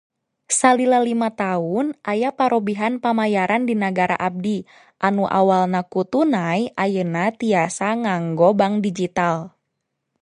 Salila lima taun, aya parobihan pamayaran di nagara abdi, anu awalna ku tunai ayeuna tiasa nganggo bank digital